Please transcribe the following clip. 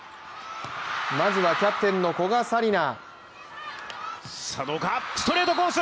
まずはキャプテンの古賀紗理那。